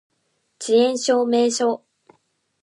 遅延証明書